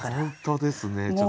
本当ですね。